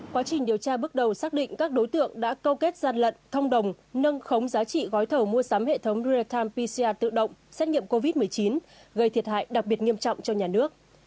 quá trình điều tra bước đầu xác định các đối tượng đã câu kết gian lận thông đồng nâng khống giá trị gói thầu mua sắm hệ thống real time pcr tự động xét nghiệm covid một mươi chín gây thiệt hại đặc biệt nghiêm trọng cho nhà nước